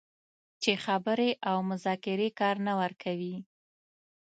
چې خبرې او مذاکرې کار نه ورکوي